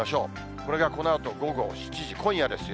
これがこのあと午後７時、今夜ですよ。